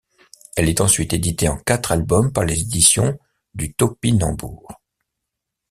Elle est ensuite éditée en quatre albums par les éditions du Taupinambour.